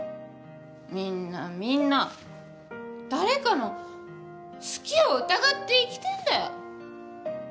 みんなみんな誰かの好きを疑って生きてんだよ。